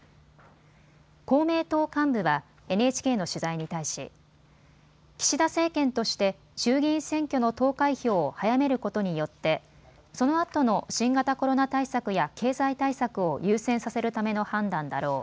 公明党幹部はＮＨＫの取材に対し岸田政権として衆議院選挙の投開票を早めることによってそのあとの新型コロナ対策や経済対策を優先させるための判断だろう。